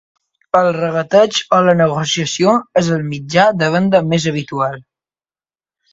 El regateig o la negociació és el mitjà de venda més habitual.